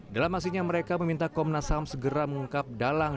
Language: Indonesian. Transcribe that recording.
dalam aksinya mereka meminta komnas ham segera mengungkap dalang